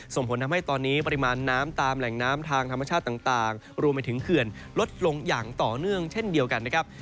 ส่งผลทำให้ตอนนี้ปริมาณน้ำตามแหล่งน้ำทางธรรมชาติต่างรวมไปถึงเขื่อนลดลงอย่างต่อเนื่องเช่นเดียวกันนะครับ